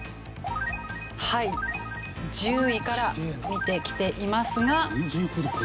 はい１０位から見てきていますが。